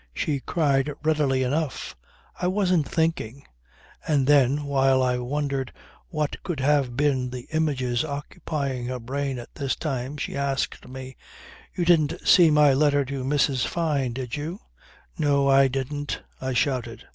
She cried readily enough: "I wasn't thinking." And then, while I wondered what could have been the images occupying her brain at this time, she asked me: "You didn't see my letter to Mrs. Fyne did you?" "No. I didn't," I shouted.